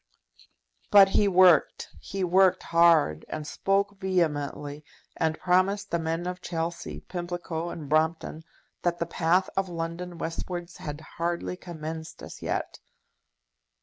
But he worked. He worked hard, and spoke vehemently, and promised the men of Chelsea, Pimlico, and Brompton that the path of London westwards had hardly commenced as yet.